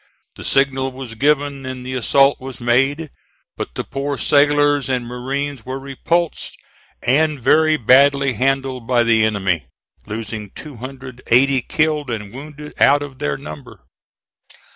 The signal was given and the assault was made; but the poor sailors and marines were repulsed and very badly handled by the enemy, losing 280 killed and wounded out of their number.